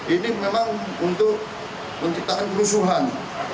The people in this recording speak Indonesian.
ini memang untuk menciptakan kerusuhan